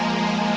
ya udah om baik